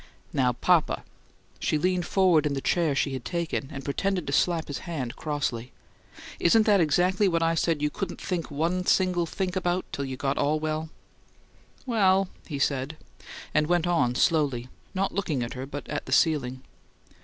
"Now, papa!" She leaned forward in the chair she had taken, and pretended to slap his hand crossly. "Isn't that exactly what I said you couldn't think one single think about till you get ALL well?" "Well " he said, and went on slowly, not looking at her, but at the ceiling.